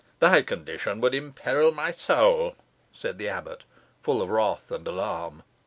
"Thy condition would imperil my soul," said the abbot, full of wrath and alarm.